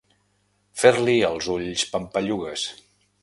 Fer-li els ulls pampallugues.